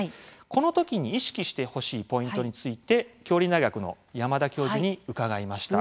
この時に意識してほしいポイントについて杏林大学の山田教授に伺いました。